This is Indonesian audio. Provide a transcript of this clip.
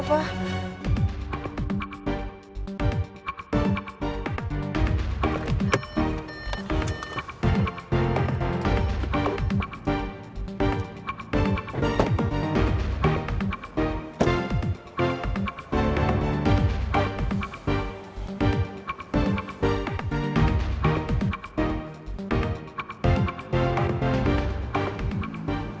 saya akan mencoba